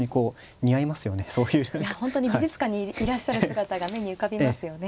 いや本当に美術館にいらっしゃる姿が目に浮かびますよね。